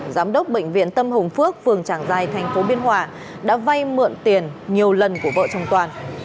giám đốc bệnh viện tâm hồng phước phường tràng giai thành phố biên hòa đã vay mượn tiền nhiều lần của vợ chồng toàn